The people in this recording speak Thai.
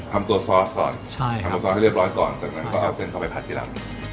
ทำตัวซอสก่อนใช่ทำตัวซอสให้เรียบร้อยก่อนจากนั้นก็เอาเส้นเข้าไปผัดที่ลำ